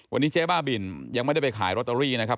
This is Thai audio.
วันนี้เจ๊บ้าบินยังไม่ได้ไปขายลอตเตอรี่นะครับ